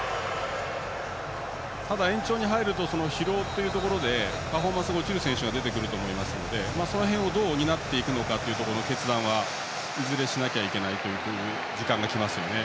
ただ、延長に入ると疲労というところでパフォーマンスが落ちる選手も出てくるのでその辺をどう補っていくかの決断はいずれ、しなければいけない時間が来ますよね。